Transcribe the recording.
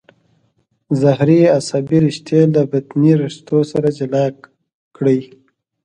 ظهري عصبي رشتې له بطني رشتو سره جلا کړئ.